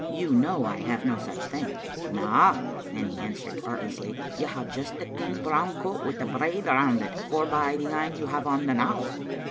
You know I have no such thing." " Na," Nanny answered artlessly, "you have just the thin brown coat wi' the braid round it, forby the ane you have on the now."